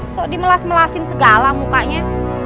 so dimelas melasin segala mukanya